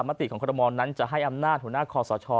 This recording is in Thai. มติของคอรมอลนั้นจะให้อำนาจหัวหน้าคอสช